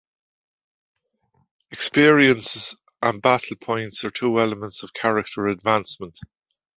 'Experiences' and 'Battle points' are two elements of character advancement.